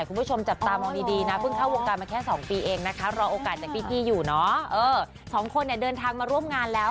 ควันพลู่มนี่ยังทำอะไรความหล่อสองคนนี้ไม่ได้เลย